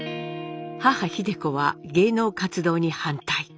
母秀子は芸能活動に反対。